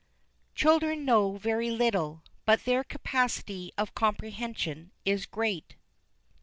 "Children know very little; but their capacity of comprehension is great."